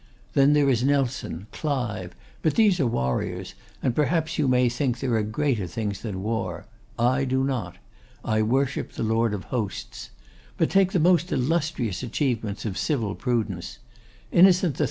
Then there is Nelson, Clive; but these are warriors, and perhaps you may think there are greater things than war. I do not: I worship the Lord of Hosts. But take the most illustrious achievements of civil prudence. Innocent III.